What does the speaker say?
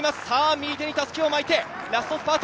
右手にたすきを巻いてラストスパート。